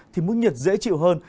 thì mức nhiệt dễ chịu hơn